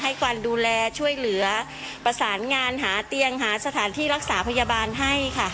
การดูแลช่วยเหลือประสานงานหาเตียงหาสถานที่รักษาพยาบาลให้ค่ะ